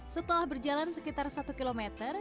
setelah berjalan sekitar satu kilometer